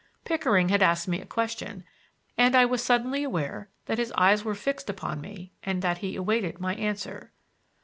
Pickering had asked me a question, and I was suddenly aware that his eyes were fixed upon me and that he awaited my answer.